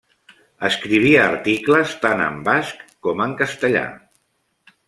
Escrivia articles tant en basc com en castellà.